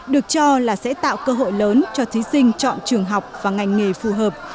được cho là sẽ tạo cơ hội lớn cho thí sinh chọn trường học và ngành nghề phù hợp